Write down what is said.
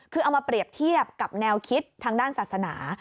คือเอามาเปรียบเทียบกับแนวคิดทางด้านศาสนา